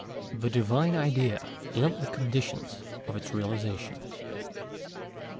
THE DIVINE IDEA, AND THE CONDITIONS OF ITS REALIZATION.